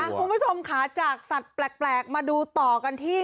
คุณผู้ชมค่ะจากสัตว์แปลกมาดูต่อกันที่